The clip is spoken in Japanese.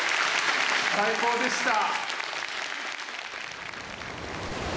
最高でした！